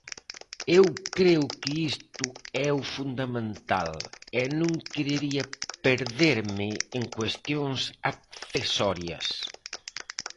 Eu creo que isto é o fundamental e non querería perderme en cuestións accesorias.